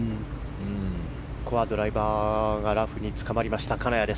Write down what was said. ここはドライバーがラフにつかまった金谷。